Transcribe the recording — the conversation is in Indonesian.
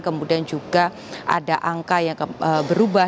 kemudian juga ada angka yang berubah